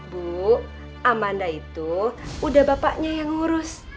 bu amanda itu udah bapaknya yang ngurus